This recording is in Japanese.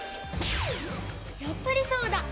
やっぱりそうだ！